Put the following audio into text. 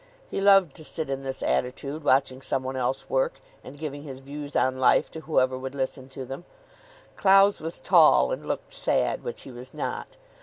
He loved to sit in this attitude, watching some one else work, and giving his views on life to whoever would listen to them. Clowes was tall, and looked sad, which he was not.